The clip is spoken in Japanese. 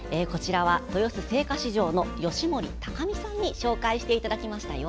豊洲青果市場の吉守隆美さんに紹介していただきましたよ。